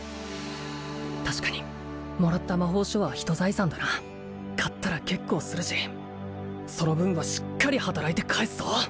確かにもらった魔法書は一財産だな買ったら結構するしその分はしっかり働いて返すぞ！